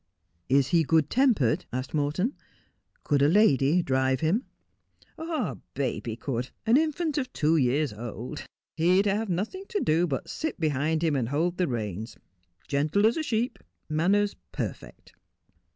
' Is he good tempered 1 ' asked Morton. ' Could a lady drive him 1 ' 'A baby could — an infant of two years old. He'd have A Paragon of Cobs. 291 nothing to do but sit behind him and hold the reins. Gentle as a sheep — manners perfect.'